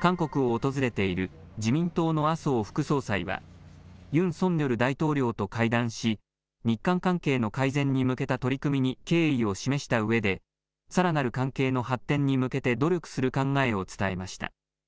韓国を訪れている自民党の麻生副総裁はユン・ソンニョル大統領と会談し日韓関係の改善に向けた取り組みに敬意を示したうえでさらなる関係の発展に向けて努力する考えを伝えました。